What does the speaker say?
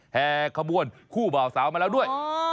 แห่ขบวนคู่บ่าวสาวมาแล้วด้วย